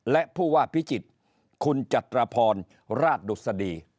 และผู้ว่าพิจิตรคุณจัตรพรราชดุษฎี